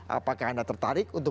apakah anda tertarik untuk